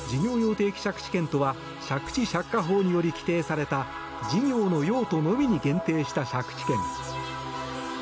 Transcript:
定期借地権とは借地借家法により規定された事業の用途のみに限定した借地権。